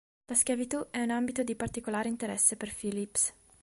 La schiavitù è un ambito di particolare interesse per Phillips.